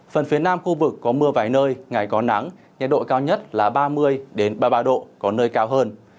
phần phía nam khu vực có mưa vài nơi ngày có nắng nhiệt độ cao nhất là ba mươi ba mươi ba độ có nơi cao hơn